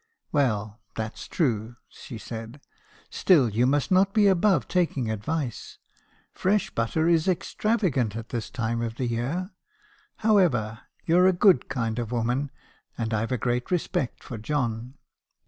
"'Well, that's true,' she said. 'Still, you must not be above taking advice. Fresh butter is extravagant at this time of the year. However, you 're a good kind of woman , and I 've a great respect for John.